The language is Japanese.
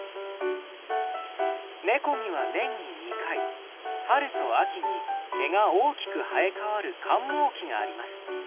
猫には年に２回春と秋に毛が大きく生え変わる換毛期があります。